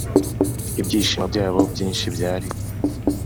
Ibyishimo Byabo Byinshi Byari